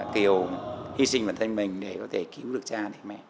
kiều hy sinh bản thân mình để có thể cứu được cha để mẹ